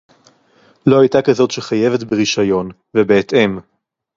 לא היתה כזאת שחייבת ברשיון, ובהתאם